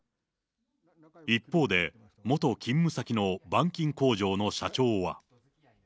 一方で、元勤務先の板金工場の社長は。